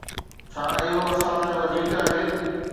ڇا اهو اسان لاء وڌيڪ آهي؟